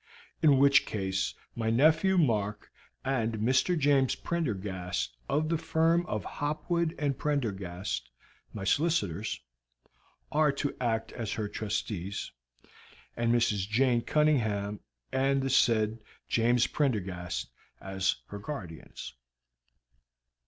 In which case my nephew Mark and Mr. James Prendergast, of the firm of Hopwood & Prendergast, my solicitors, are to act as her trustees, and Mrs. Jane Cunningham and the said James Prendergast as her guardians."